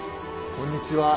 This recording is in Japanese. こんにちは。